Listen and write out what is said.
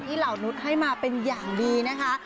เหล่านุษย์ให้มาเป็นอย่างดีนะคะ